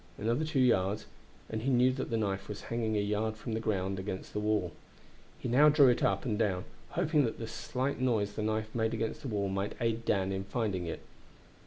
Another two yards, and he knew that the knife was hanging a yard from the ground against the wall. He now drew it up and down, hoping that the slight noise the knife made against the wall might aid Dan in finding it.